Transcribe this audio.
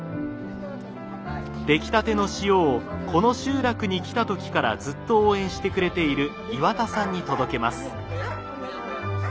できたての塩をこの集落に来た時からずっと応援してくれている岩田さんに届けます。